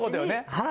はい。